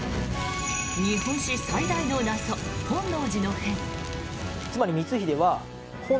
日本史最大の謎本能寺の変。